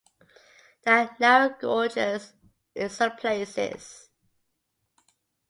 There are narrow gorges in some places.